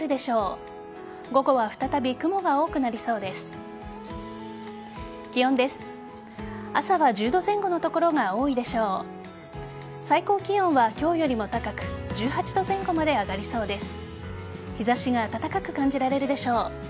日差しが暖かく感じられるでしょう。